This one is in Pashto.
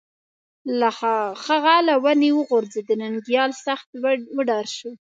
هغه له ونې وغورځېد، ننگيال سخت وډار شو